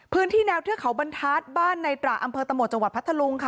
พื้นที่แนวเทือกเขาบรรทัศน์บ้านในตระอำเภอตะโหมดจังหวัดพัทธลุงค่ะ